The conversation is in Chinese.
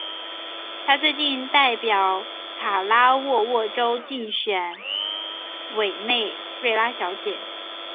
她最近代表卡拉沃沃州竞选委内瑞拉小姐。